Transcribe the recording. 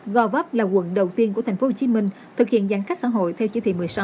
govup là quận đầu tiên của tp hcm thực hiện giãn cách xã hội theo chữ thị một mươi sáu